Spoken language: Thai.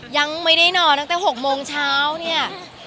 ยังไม่ได้นอนตั้งแต่๖โมงเช้าเนี่ย